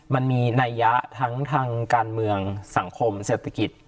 มันมีนัยยะทั้งทางการเมืองสังคมเศรษฐกิจ